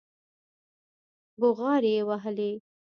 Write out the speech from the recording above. بوغارې يې وهلې.